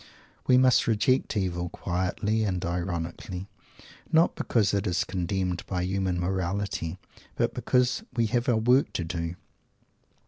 We must reject "evil," quietly and ironically; not because it is condemned by human morality, but because "we have our work to do"!